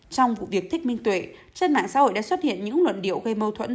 trong vụ việc thích minh tuệ trên mạng xã hội đã xuất hiện những luận điệu gây mâu thuẫn